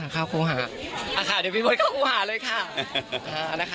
เดี๋ยวพี่เบิร์ดเข้าครูหาเลยค่ะ